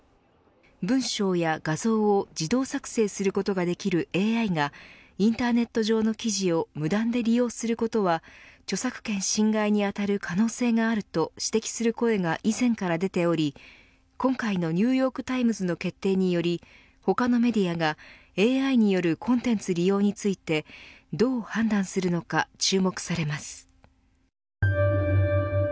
文章や画像を自動作成することができるＡＩがインターネット上の記事を無断で利用することは著作権侵害に当たる可能性があると指摘する声が以前から出ており今回のニューヨーク・タイムズの決定により他のメディアがＡＩによるコンテンツ利用についてどう判断するのか注目されます。